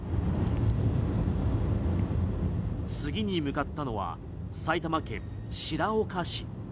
次に向かったのは埼玉県白岡市。